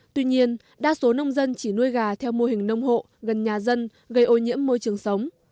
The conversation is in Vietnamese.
tuy nhiên đa số nông dân chỉ nuôi gà theo mô hình nông hộ gần nhà dân gây ô nhiễm môi trường sống